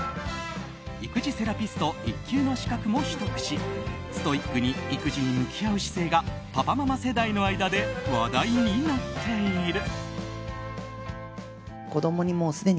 育児セラピスト１級の資格も取得しストイックに育児に向き合う姿勢がパパママ世代の間で話題になっている。